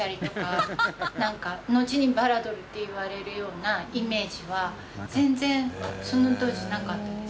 のちにバラドルって言われるようなイメージは全然その当時なかったですね。